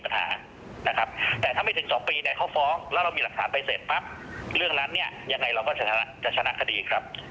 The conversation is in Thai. แต่ถ้าไม่ถึง๒ปีเนี่ยเขาฟ้องแล้วเรามีหลักฐานไปเสร็จปั๊บเรื่องนั้นเนี่ยยังไงเราก็จะชนะคดีครับ